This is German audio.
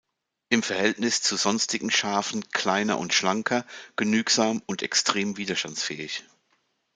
Im Verhältnis zu sonstigen Schafen kleiner und schlanker, genügsam und extrem widerstandsfähig.